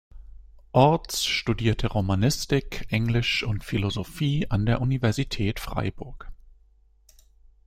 Orths studierte Romanistik, Englisch und Philosophie an der Universität Freiburg.